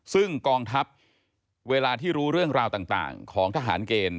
ซึ่งกองทัพเวลาที่รู้เรื่องราวต่างของทหารเกณฑ์